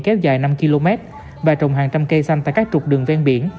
kéo dài năm km và trồng hàng trăm cây xanh tại các trục đường ven biển